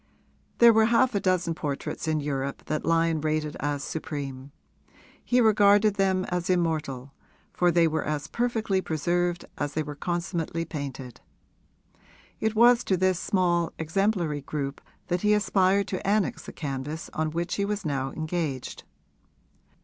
There were half a dozen portraits in Europe that Lyon rated as supreme; he regarded them as immortal, for they were as perfectly preserved as they were consummately painted. It was to this small exemplary group that he aspired to annex the canvas on which he was now engaged.